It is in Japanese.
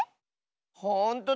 ほんとだ！